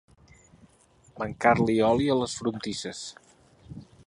Mancar-li oli a les frontisses.